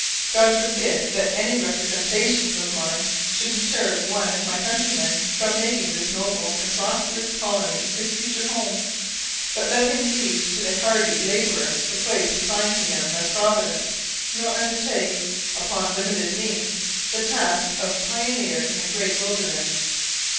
God forbid that any representations of mine should deter one of my countrymen from making this noble and prosperous colony his future home. But let him leave to the hardy labourer the place assigned to him by Providence, nor undertake, upon limited means, the task of pioneer in the great wilderness.